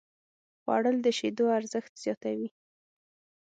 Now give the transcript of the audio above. خوړل د شیدو ارزښت زیاتوي